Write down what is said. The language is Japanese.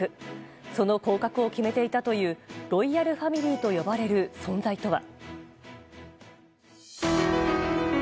その降格を決めていたというロイヤルファミリーとよばれる存在とは。